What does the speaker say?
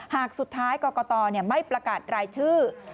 หากสุดท้ายกรกตไม่ประกาศรายชื่อ